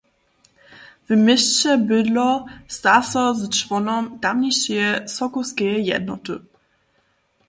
W měsće bydlo, sta so z čłonom tamnišeje Sokołskeje jednoty.